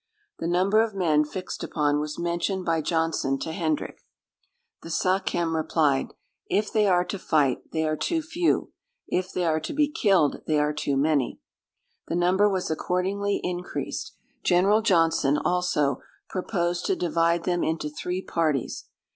The number of men fixed upon was mentioned by Johnson to Hendrick. The Sachem replied, "If they are to fight, they are too few; if they are to be killed, they are too many." The number was accordingly increased. General Johnson, also, proposed to divide them into three parties.